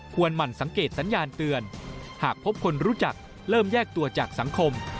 หมั่นสังเกตสัญญาณเตือนหากพบคนรู้จักเริ่มแยกตัวจากสังคม